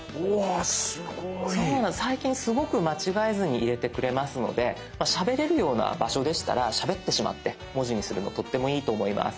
最近すごく間違えずに入れてくれますのでしゃべれるような場所でしたらしゃべってしまって文字にするのとってもいいと思います。